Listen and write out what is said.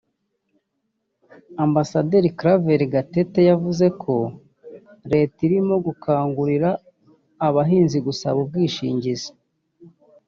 Amb Claver Gatete yavuze ko Leta irimo gukangurira abahinzi gusaba ubwishingizi